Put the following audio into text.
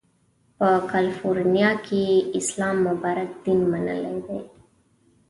په کالیفورنیا کې یې اسلام مبارک دین منلی دی.